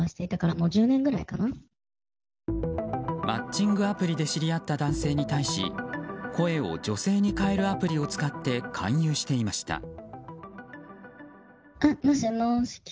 マッチングアプリで知り合った男性に対し声を女性に変えるアプリを使って勧誘していました。